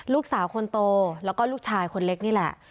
ลูกสาวคนโตแล้วก็ลูกชายคนเล็กนี่แหละ